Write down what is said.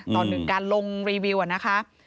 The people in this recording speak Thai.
ตอนหนึ่งการลงรีวิวอะนะคะ